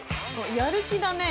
やる気だね。